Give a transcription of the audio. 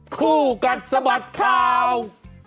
คู่กัดสะบัดข่าว